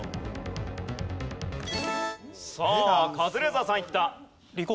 さあカズレーザーさんいった。